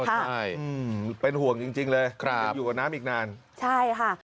ใช่เป็นห่วงจริงจริงเลยครับยังอยู่กับน้ำอีกนานใช่ค่ะ